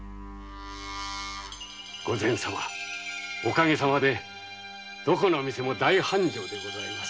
おかげさまでどこの店も大繁盛でございます。